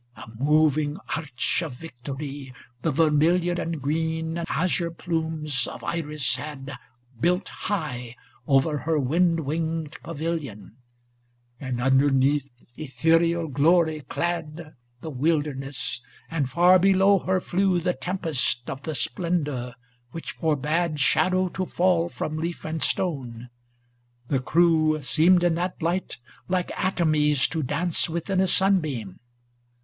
* A moving arch of victory, the vermilion And green and azure plumes of Iris had 440 Built high over her wind winged pavilion; * And underneath ethereal glory clad The wilderness; and far before her flew The tempest of the splendor, which for bade ' Shadow to fall from leaf and stone. The crew Seemed in that light, like atomies to dance Within a sunbeam.